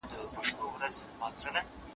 د څارويو د ساتنې اهميت يې پېژندلی و.